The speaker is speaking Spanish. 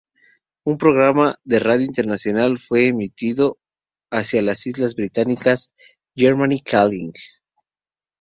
Un programa de radio internacional fue emitido hacia las Islas Británicas, "Germany Calling".